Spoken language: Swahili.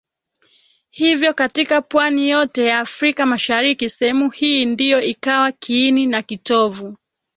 Hivyo katika pwani yote ya Afrika mashariki sehemu hii ndio ikawa kiini na kitovu